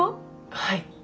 はい。